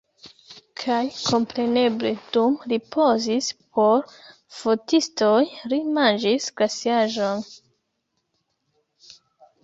Kaj kompreneble, dum li pozis por fotistoj, li manĝis glaciaĵon!